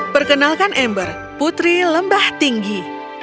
perkenalkan ember putri lembah tinggi